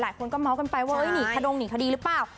หลายคนก็เมาส์กันไปว่าหนีขดงหนีคดีหรือเปล่า